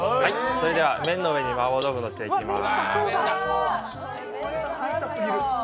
それでは麺の上に麻婆豆腐のせていきます。